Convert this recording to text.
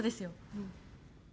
うん。